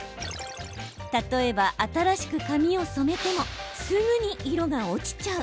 例えば、新しく髪を染めてもすぐに色が落ちちゃう。